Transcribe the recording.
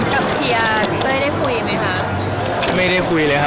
กับเชียร์ก็ได้ได้คุยไหมคะ